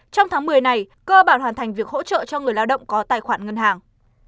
trong tháng một mươi này cơ bản hoàn thành việc hỗ trợ cho người lao động có tài khoản ngân hàng